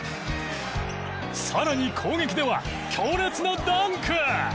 更に攻撃では強烈なダンク！